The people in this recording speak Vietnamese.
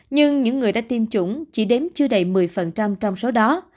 nhưng những người đã tiêm chủng chỉ đếm chưa đầy một mươi trong số đó